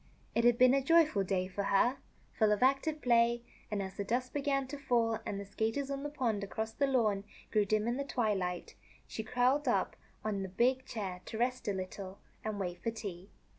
It had been a joyful day for her, full of active play ; and, as the dusk began to fall and the skaters on the pond, across the lawn, grew dim in the twilight, she curled up on the big chair to rest a little and wait for tea.